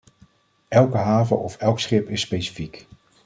Elke haven of elk schip is specifiek.